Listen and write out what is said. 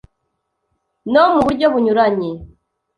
no mu buryo bunyuranye.